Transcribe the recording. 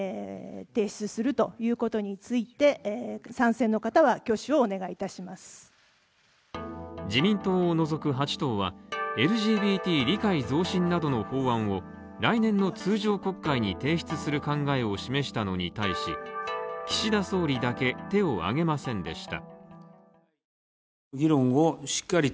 先日の党首討論では自民党を除く８党はＬＧＢＴ理解増進などの法案を来年の通常国会に提出する考えを示したのに対し、岸田総理だけ手を挙げませんでした。